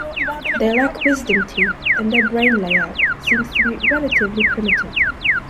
They lack wisdom teeth, and their brain layout seems to be relatively primitive.